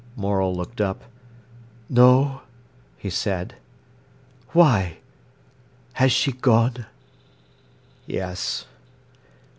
Morel looked up. "No," he said. "Why—has she gone?" "Yes."